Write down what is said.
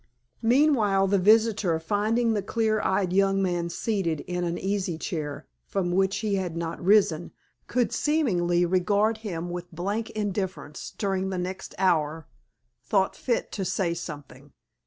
Meanwhile, the visitor, finding that the clear eyed young man seated in an easy chair (from which he had not risen) could seemingly regard him with blank indifference during the next hour, thought fit to say something.